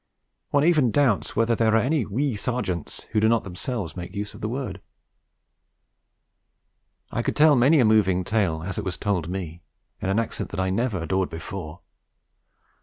One even doubts whether there are any 'wee' Sergeants who do not themselves make use of the word. I could tell many a moving tale as it was told to me, in an accent that I never adored before.